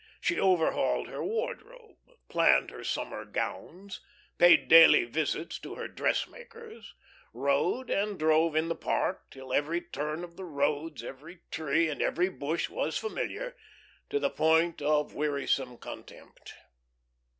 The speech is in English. She overhauled her wardrobe, planned her summer gowns, paid daily visits to her dressmakers, rode and drove in the park, till every turn of the roads, every tree, every bush was familiar, to the point of wearisome contempt.